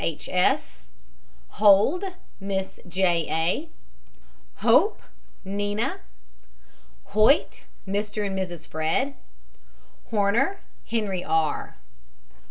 H. S. HOLD, MISS J. A. HOPE, NINA. HOYT, MR. AND Mrs. FRED. HORNER, HENRY R.